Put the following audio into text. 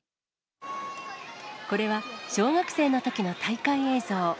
これは小学生のときの大会映像。